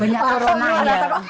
banyak corona ya